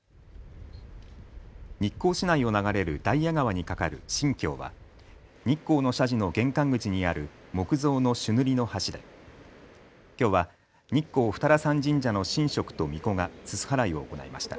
日光市内を流れる大谷川に架かる神橋は日光の社寺の玄関口にある木造の朱塗りの橋できょうは日光二荒山神社の神職とみこがすす払いを行いました。